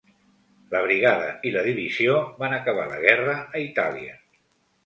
La brigada i la divisió van acabar la guerra a Itàlia.